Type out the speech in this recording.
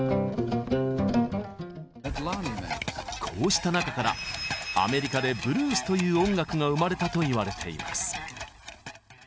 こうした中からアメリカでブルースという音楽が生まれたといわれています。